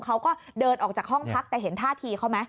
เขาก็เดินออกจากห้องพักแต่เห็นท่าทีเขาไหม